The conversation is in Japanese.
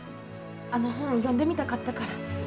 あの本読んでみたかったから。